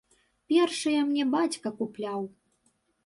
Першыя мне бацька купляў.